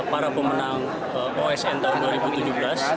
para pemenang osn tahun dua ribu tujuh belas